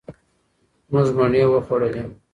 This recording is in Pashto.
مونږه مڼې وخوړلې.